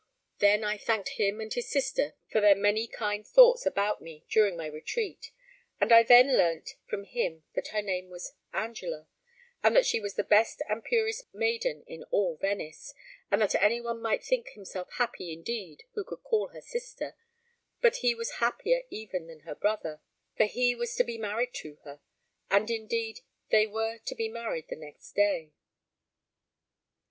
Then I thanked him and his sister for their many kind thoughts about me during my retreat, and I then learnt from him that her name was Angela, and that she was the best and purest maiden in all Venice, and that anyone might think himself happy indeed who could call her sister, but that he was happier even than her brother, for he was to be married to her, and indeed they were to be married the next day.